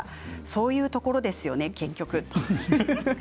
そういうところですよね結局。